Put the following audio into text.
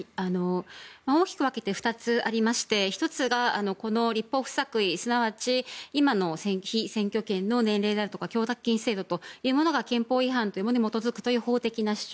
大きく分けて２つありまして１つがこの立法不作為つまり、今の被選挙権の年齢であるとか供託金制度というものが憲法違反というものにもとづくという法的な主張。